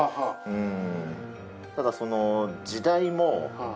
うん。